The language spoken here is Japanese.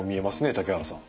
竹原さん。